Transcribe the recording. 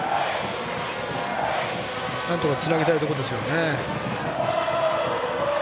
なんとかつなぎたいところですよね。